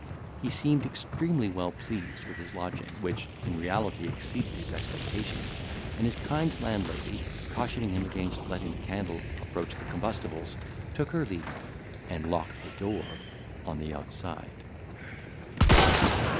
He seemed extremely well pleased with his lodging, which in reality exceeded his expectation; and his kind landlady, cautioning him against letting the candle approach the combustibles, took her leave, and locked the door on the outside.